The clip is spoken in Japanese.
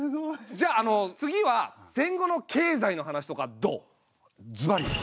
じゃああの次は戦後の経済の話とかどう？